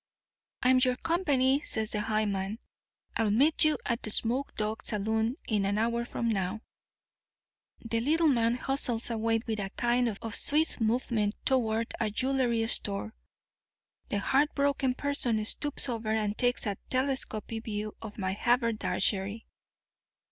"'I'm your company,' says the high man. 'I'll meet you at the Smoked Dog Saloon an hour from now.' "The little man hustles away with a kind of Swiss movement toward a jewelry store. The heartbroken person stoops over and takes a telescopic view of my haberdashery.